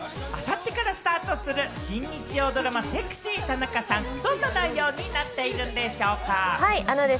あさってからスタートする新日曜ドラマ『セクシー田中さん』、どんな内容になっているんでしょうか？